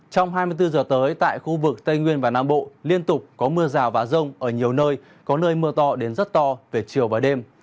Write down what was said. trong hai mươi bốn giờ tới tại khu vực tây nguyên và nam bộ liên tục có mưa rào và rông ở nhiều nơi có nơi mưa to đến rất to về chiều và đêm